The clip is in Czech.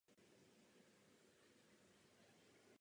Studené války.